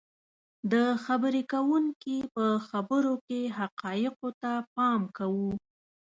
. د خبرې کوونکي په خبرو کې حقایقو ته پام کوو